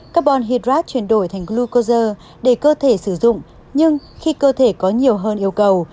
carbohydrate chuyển đổi thành glucose để cơ thể sử dụng nhưng khi cơ thể có nhiều hơn yêu cầu